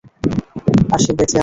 আর সে বেঁচে আছে।